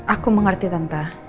aku mengerti tante